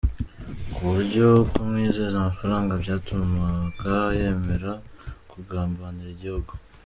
Kuburyo kumwizeza amafaranga byatumaga yemera kugambanira igihugu.